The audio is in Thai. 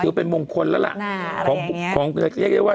คือเป็นมงคลแล้วล่ะของเรียกได้ว่า